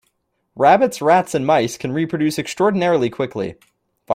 Rabbits, rats and mice can reproduce extraordinarily quickly.